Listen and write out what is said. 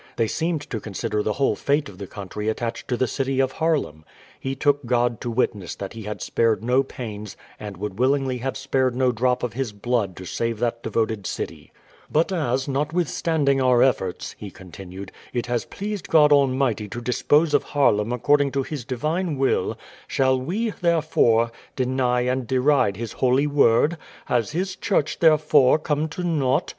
They seemed to consider the whole fate of the country attached to the city of Haarlem. He took God to witness that he had spared no pains, and would willingly have spared no drop of his blood to save that devoted city. "But as, notwithstanding our efforts," he continued, "it has pleased God Almighty to dispose of Haarlem according to His divine will, shall we, therefore, deny and deride His holy word? Has His church, therefore, come to nought?